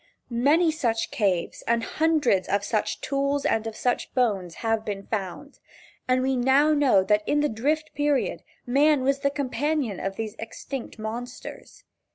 Many such caves and hundreds of such tools, and of such bones have been found. And we now know that in the Drift Period man was the companion of these extinct monsters.